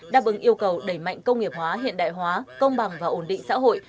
đáp ứng yêu cầu đẩy mạnh công nghiệp hóa hiện đại hóa công bằng và ổn định xã hội